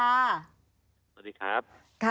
สวัสดีครับ